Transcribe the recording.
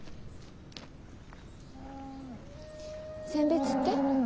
餞別って？